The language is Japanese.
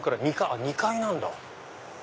あっ２階なんだ。